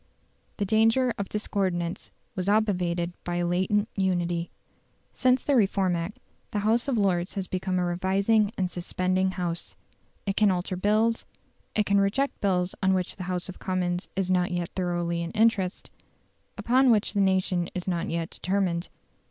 The danger of discordance was obviated by a latent unity. Since the Reform Act the House of Lords has become a revising and suspending House. It can alter bills; it can reject bills on which the House of Commons is not yet thoroughly in earnest upon which the nation is not yet determined.